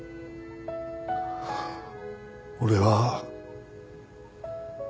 俺は。